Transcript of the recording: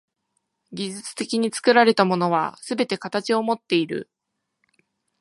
技術的に作られたものはすべて形をもっている。